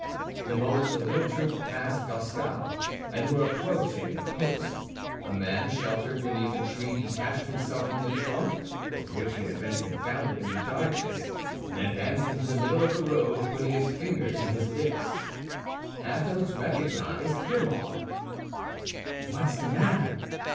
The moment the little troop passed Goskal and were approaching the Post, a man sheltered beneath a tree detached himself from the trunk with which he had been confounded in the darkness, and advanced into the middle of the road, putting his finger on his lips. Athos recognized Grimaud. "What's the manner?"